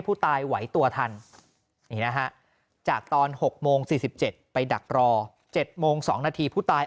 ผู้ตายไหวตัวทันนี่นะฮะจากตอน๖โมง๔๗ไปดักรอ๗โมง๒นาทีผู้ตาย